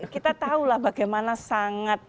kita tahulah bagaimana sangat